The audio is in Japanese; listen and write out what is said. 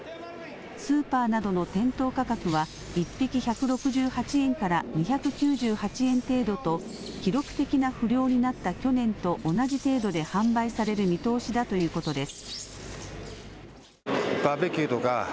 スーパーなどの店頭価格は１匹１６８円から２９８円程度と記録的な不漁になった去年と同じ程度で販売される見通しだということです。